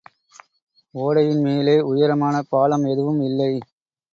ஒடையின் மேலே உயரமான பாலம் எதுவும் இல்லை.